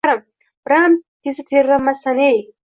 Biraam tepsa tebranmassaneey.